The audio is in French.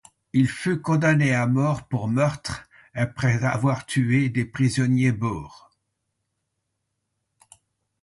Il fut condamné à mort pour meurtre, après avoir tué des prisonniers Boers.